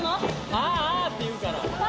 「あーあー」って言うから。